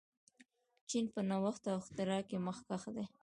چین په نوښت او اختراع کې مخکښ دی.